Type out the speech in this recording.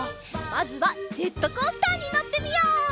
まずはジェットコースターにのってみよう！